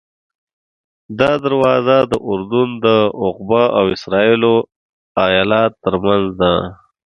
دا دروازه د اردن د عقبه او اسرائیلو ایلات ترمنځ ده.